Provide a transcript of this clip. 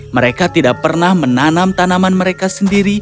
mereka tidak pernah menanam tanaman mereka sendiri